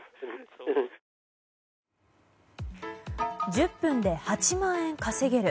１０分で８万円稼げる。